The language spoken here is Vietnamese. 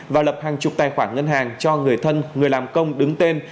và lập hàng chục tài khoản ngân hàng cho người thân người làm công đứng tên